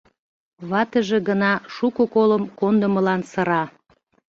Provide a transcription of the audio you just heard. Ватыже гына шуко колым кондымылан сыра.